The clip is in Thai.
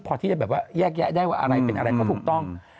พอที่แยกแยะได้ว่าเป็นอะไรถูกต้อง